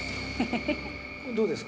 どうですか？